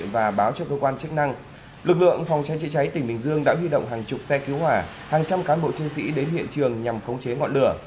và báo cho cơ quan chức năng lực lượng phòng cháy chữa cháy tỉnh bình dương đã huy động hàng chục xe cứu hỏa hàng trăm cán bộ chiến sĩ đến hiện trường nhằm khống chế ngọn lửa